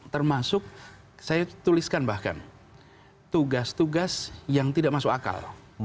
termasuk saya tuliskan bahkan tugas tugas yang tidak masuk akal